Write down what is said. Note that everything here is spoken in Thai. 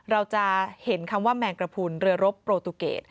เราจะเห็นคำว่าแมงกระพุนเรือรบโปรตูเกต